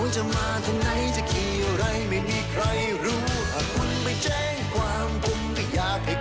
ก็ไม่มีอะไรที่ง่ายเลย